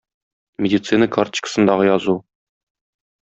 Медицина карточкасындагы язу